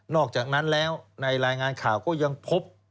อกจากนั้นแล้วในรายงานข่าวก็ยังพบ